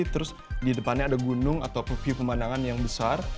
terus di depannya ada gunung atau view pemandangan yang besar